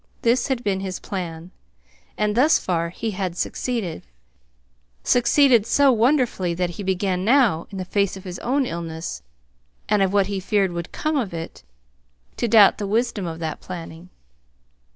This had been his plan. And thus far he had succeeded succeeded so wonderfully that he began now, in the face of his own illness, and of what he feared would come of it, to doubt the wisdom of that planning.